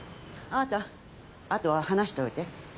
あなたあとは話しておいて。